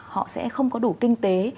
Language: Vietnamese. họ sẽ không có đủ kinh tế